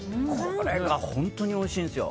これが本当においしいんですよ。